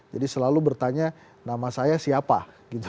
jadi selalu bertanya nama saya siapa gitu